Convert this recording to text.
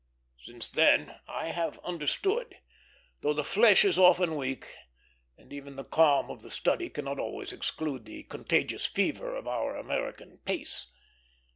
Since then I have understood; though the flesh is often weak, and even the calm of the study cannot always exclude the contagious fever of our American pace.